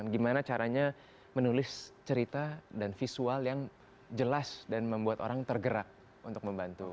gimana caranya menulis cerita dan visual yang jelas dan membuat orang tergerak untuk membantu